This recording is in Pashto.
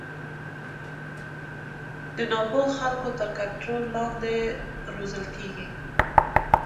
د نا پوه خلکو تر کنټرول لاندې روزل کېږي.